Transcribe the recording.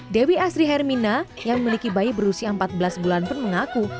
dewi asri hermina yang memiliki bayi berusia empat belas bulan pun mengaku